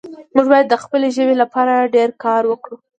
موږ باید د خپلې ژبې لپاره ډېر کار وکړو